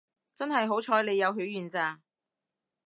真係好彩你有許願咋